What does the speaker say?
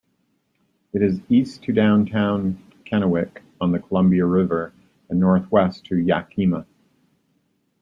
It is east to downtown Kennewick on the Columbia River and northwest to Yakima.